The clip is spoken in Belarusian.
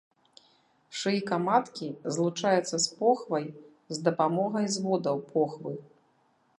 Шыйка маткі злучаецца з похвай з дапамогай зводаў похвы.